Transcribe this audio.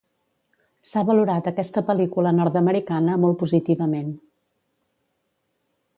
S'ha valorat aquesta pel·lícula nord-americana molt positivament.